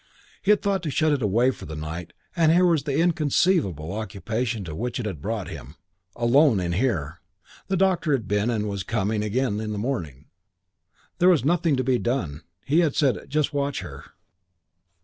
He had thought to shut it away for a night, and here was the inconceivable occupation to which it had brought him: alone in here The doctor had been and was coming again in the morning. There was nothing to be done, he had said; just watch her.